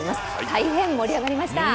大変盛り上がりました！